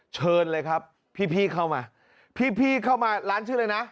เชิญเลยครับพี่เข้ามาพี่เข้ามาร้านชื่ออะไรนะ